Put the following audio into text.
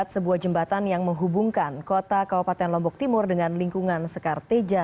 sebuah jembatan yang menghubungkan kota kabupaten lombok timur dengan lingkungan sekarteja